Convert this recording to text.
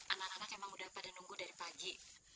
anak anak memang sudah pada nunggu dari pagi